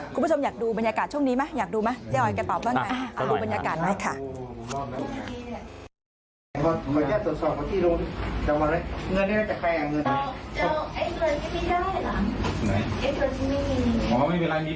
คุณผู้ชมอยากดูบรรยากาศช่วงนี้ไหมอยากดูไหมเจ๊ออยก็ตอบด้วยไหม